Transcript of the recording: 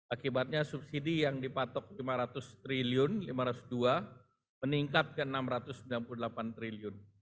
akibatnya subsidi yang dipatok rp lima ratus triliun lima ratus dua meningkat ke rp enam ratus sembilan puluh delapan triliun